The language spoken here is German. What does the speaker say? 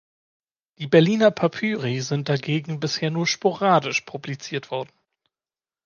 Die Berliner Papyri sind dagegen bisher nur sporadisch publiziert worden.